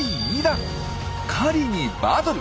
狩りにバトル！